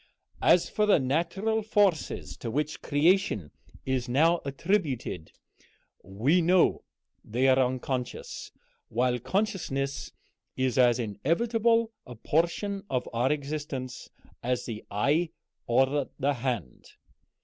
As for the natural forces to which all creation is now attributed, we know they are unconscious, while consciousness is as inevitable a portion of our existence as the eye or the hand.